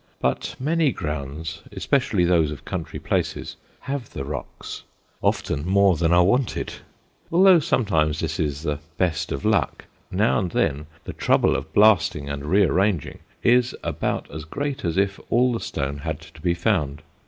But many grounds, especially those of country places, have the rocks; often more than are wanted. Although sometimes this is the best of luck, now and then the trouble of blasting and rearranging is about as great as if all the stone had to be found.